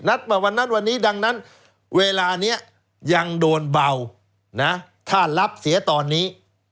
มาวันนั้นวันนี้ดังนั้นเวลานี้ยังโดนเบานะถ้ารับเสียตอนนี้